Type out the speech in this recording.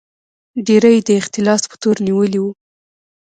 ډېر یې د اختلاس په تور نیولي وو.